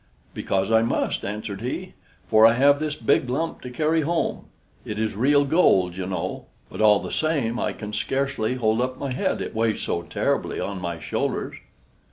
"Because I must," answered he; "for I have this big lump to carry home. It is real gold, you know; but, all the same, I can scarcely hold up my head, it weighs so terribly on my shoulders."